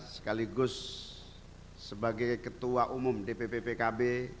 sekaligus sebagai ketua umum dpp pkb